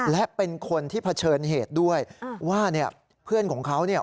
และเป็นคนที่เผชิญเหตุด้วยว่าเนี่ยเพื่อนของเขาเนี่ย